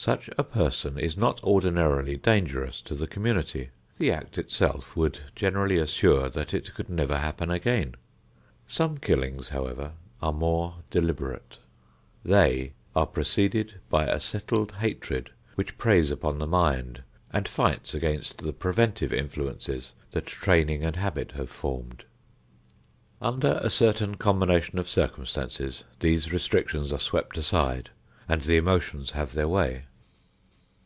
Such a person is not ordinarily dangerous to the community. The act itself would generally assure that it could never happen again. Some killings, however, are more deliberate. They are preceded by a settled hatred which preys upon the mind and fights against the preventive influences that training and habit have formed. Under a certain combination of circumstances these restrictions are swept aside and the emotions have their way.